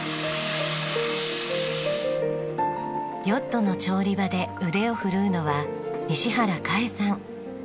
ヨットの調理場で腕を振るうのは西原佳江さん。